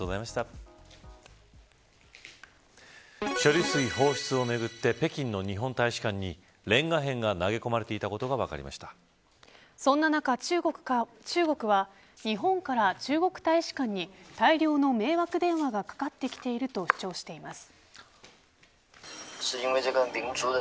処理水放出をめぐって北京の日本大使館にレンガ片が投げ込まれていたことがそんな中国は日本から中国大使館に大量の迷惑電話がかかってきていると主張しています。